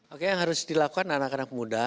oke yang harus dilakukan anak anak muda